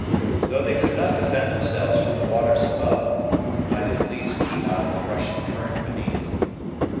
Though they could not defend themselves from the waters above, they might at least keep out of the rushing current beneath.